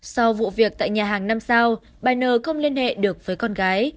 sau vụ việc tại nhà hàng năm sao bà n không liên hệ được với con gái